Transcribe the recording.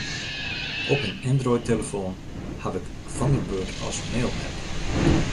Op myn Android-telefoan haw ik Thunderbird as mail-app.